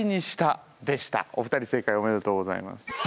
お二人正解おめでとうございます。